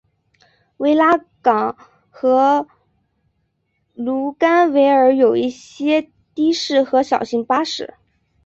维拉港和卢甘维尔有一些的士和小型巴士。